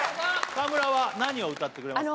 川村は何を歌ってくれますか？